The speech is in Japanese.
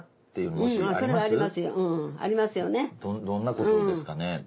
どんなことですかね？